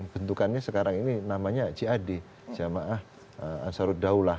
bentukannya sekarang ini namanya c a d jamaah ansarud daulah